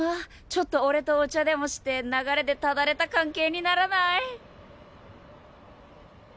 ちょっと俺とお茶でもして流れでただれた関係にならない？」